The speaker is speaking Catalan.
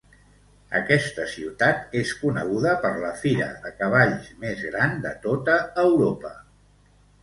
Aquesta ciutat és coneguda per la fira de cavalls més gran de tota Europa.